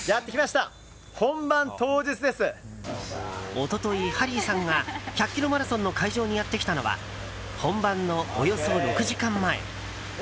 一昨日、ハリーさんが１００ｋｍマラソンの会場にやってきたのは本番のおよそ６時間前。